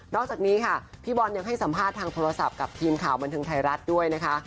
อกจากนี้ค่ะพี่บอลยังให้สัมภาษณ์ทางโทรศัพท์กับทีมข่าวบันเทิงไทยรัฐด้วยนะคะ